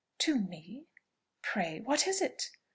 "To me? Pray, what is it?